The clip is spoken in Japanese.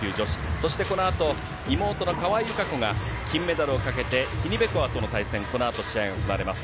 そしてこのあと、妹の川井友香子が金メダルをかけて、ティニベコワとの対戦、このあと試合が行われます。